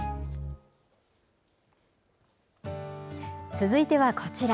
続いてはこちら。